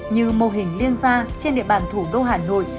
như mô hình liên gia trên địa bàn thủ đô hà nội